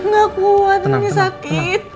gak kuat ini sakit